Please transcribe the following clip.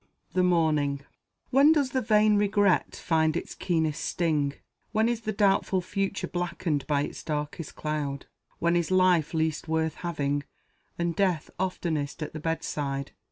THE MORNING. WHEN does the vain regret find its keenest sting? When is the doubtful future blackened by its darkest cloud? When is life least worth having, and death oftenest at the bedside?